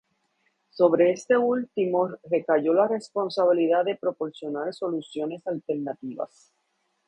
Sobre este último, recayó la responsabilidad de proporcionar soluciones alternativas.